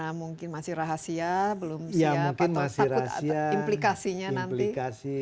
karena mungkin masih rahasia belum siap atau takut implikasinya nanti